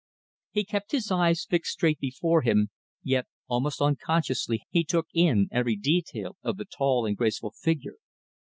He kept his eyes fixed straight before him, yet almost unconsciously he took in every detail of the tall and graceful figure.